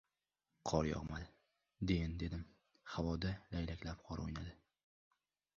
Qor yog‘madi, deyin dedim— havoda laylaklab qor o‘ynadi.